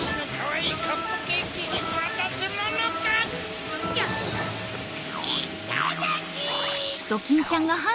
いっただき！